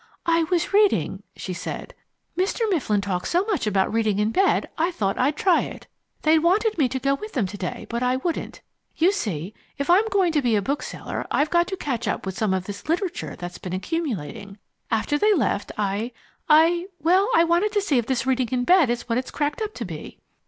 "I was reading," she said. "Mr. Mifflin talks so much about reading in bed, I thought I'd try it. They wanted me to go with them to day but I wouldn't. You see, if I'm going to be a bookseller I've got to catch up with some of this literature that's been accumulating. After they left I I well, I wanted to see if this reading in bed is what it's cracked up to be."